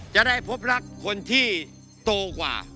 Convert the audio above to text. จะได้พบรักคนที่โตกว่า